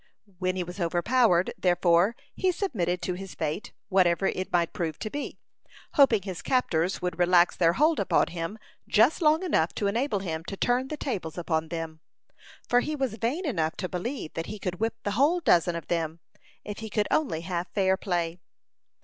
When he was overpowered, therefore, he submitted to his fate, whatever it might prove to be, hoping his captors would relax their hold upon him just long enough to enable him to turn the tables upon them; for he was vain enough to believe that he could whip the whole dozen of them, if he could only have fair play.